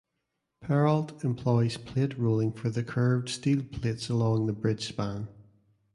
Perrault employs plate rolling for the curved steel plates along the bridge span.